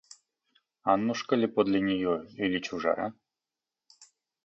Аннушка ли подле нее или чужая?